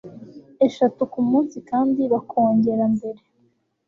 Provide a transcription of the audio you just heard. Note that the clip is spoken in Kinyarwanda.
eshatu ku munsi, kandi bakongera mbere